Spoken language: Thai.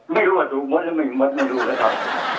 ไม่รู้ว่าดูมดหรือไม่มดไม่รู้นะครับ